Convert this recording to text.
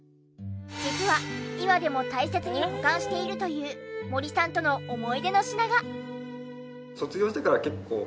実は今でも大切に保管しているという森さんとの思い出の品が。